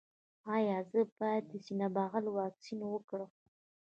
ایا زه باید د سینه بغل واکسین وکړم؟